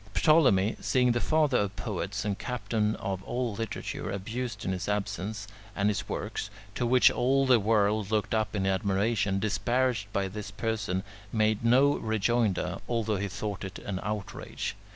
Ptolemy, seeing the father of poets and captain of all literature abused in his absence, and his works, to which all the world looked up in admiration, disparaged by this person, made no rejoinder, although he thought it an outrage.